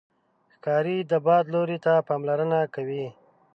ښکاري د باد لوري ته پاملرنه کوي.